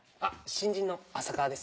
新人の浅川です。